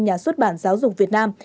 nhà xuất bản giáo dục việt nam